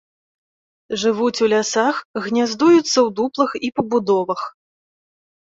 Жывуць у лясах, гняздуюцца ў дуплах і пабудовах.